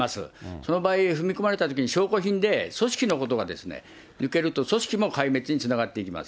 その場合、踏み込まれたときに、証拠品で、組織のことが抜けると、組織も壊滅に向かっていきます。